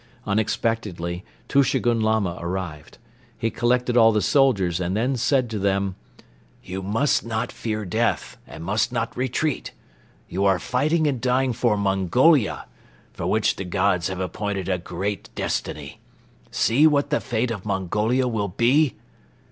Unexpectedly Tushegoun Lama arrived. He collected all the soldiers and then said to them: "You must not fear death and must not retreat. You are fighting and dying for Mongolia, for which the gods have appointed a great destiny. See what the fate of Mongolia will be!"